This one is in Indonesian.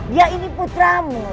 dia ini putra mu